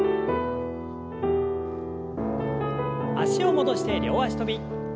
脚を戻して両脚跳び。